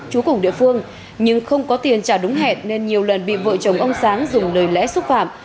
chú cùng địa phương nhưng không có tiền trả đúng hẹn nên nhiều lần bị vợ chồng ông sáng dùng lời lẽ xúc phạm